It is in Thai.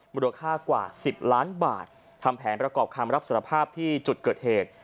มูลค่ากว่า๑๐ล้านบาททำแผนประกอบคำรับสารภาพที่จุดเกิดเหตุ